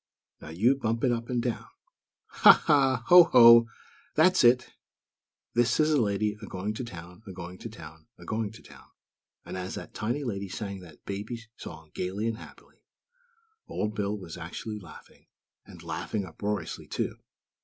Now you bump it up and down. Ha, ha! Ho, ho! That's it! This is a lady, a going to town, a going to town, a going to town!" and as that tiny lady sang that baby song gaily and happily, Old Bill was actually laughing; and laughing uproariously, too!